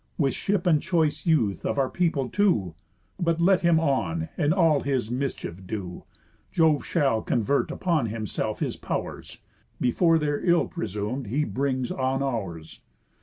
With ship and choice youth of our people too! But let him on, and all his mischief do, Jove shall convert upon himself his pow'rs, Before their ill presum'd he brings on ours.